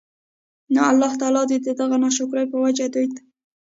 نو الله تعالی د دغه ناشکرۍ په وجه دوی ته